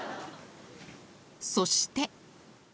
そして。